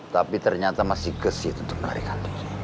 tapi ternyata masih ke situ untuk menarik hantu